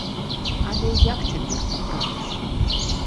Але як цяпер паправіш?